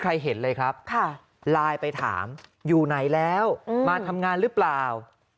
เห็นเลยครับไลน์ไปถามอยู่ไหนแล้วมาทำงานหรือเปล่า